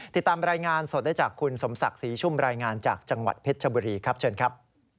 ติดตามรายงานสดได้จากคุณสมศักดิ์ศรีชุ่มรายงานจากจังหวัดเพชรชบุรีครับเชิญครับ